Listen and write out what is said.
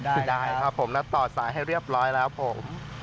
อย่ายามช้าเนอะได้ครับผมแล้วต่อสายให้เรียบร้อยแล้วผม